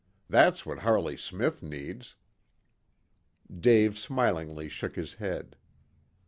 "That's what Harley Smith needs." Dave smilingly shook his head.